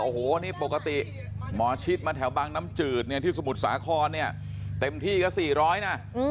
โอ้โหนี่ปกติหมอชิดมาแถวบางน้ำจืดเนี่ยที่สมุทรสาครเนี่ยเต็มที่ก็๔๐๐นะ